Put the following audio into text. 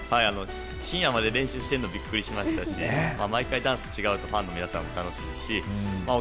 深夜まで練習しているのはビックリしましたし毎回ダンスが違うとファンの皆さんも楽しいし。